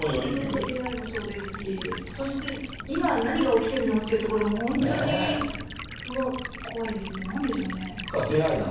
出会いもそうですし、そして今、何が起きてるのっていうところも、本当に怖いですね、なんでしょうね。